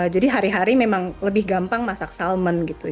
jadi hari hari memang lebih gampang masak salmon gitu